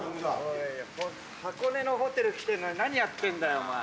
箱根のホテル来てるのに何やってんだよお前。